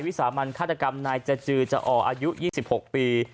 สามัญฆาตกรรมนายจจือจะอ่ออายุ๒๖ปี